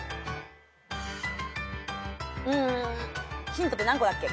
ヒントって何個だっけ。